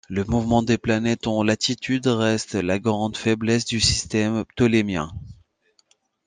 Le mouvement des planètes en latitude reste la grande faiblesse du système Ptoléméen.